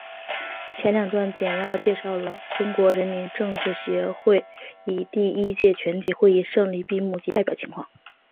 前两段简要介绍了中国人民政治协商会议第一届全体会议胜利闭幕及代表情况。